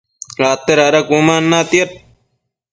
acte dada cuëman natiad